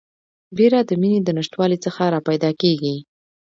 بیره د میني د نشتوالي څخه راپیدا کیږي